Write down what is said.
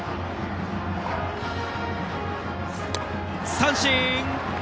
三振。